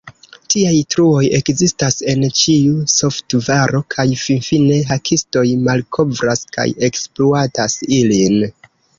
Tiaj truoj ekzistas en ĉiu softvaro, kaj finfine hakistoj malkovras kaj ekspluatas ilin.